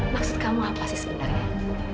maksud kamu apa sih sebenarnya